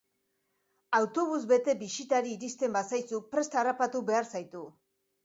Autobus bete bisitari iristen bazaizu, prest harrapatu behar zaitu.